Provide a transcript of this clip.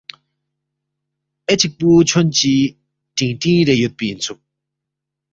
اے چِک پو چھونچی ٹنگ ٹنگ رے یودپی اِنسُوک